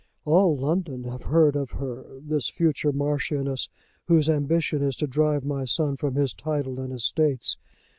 "All London have heard of her, this future Marchioness, whose ambition is to drive my son from his title and estates.